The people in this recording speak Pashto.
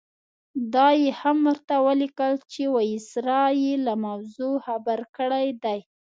دا یې هم ورته ولیکل چې وایسرا یې له موضوع خبر کړی دی.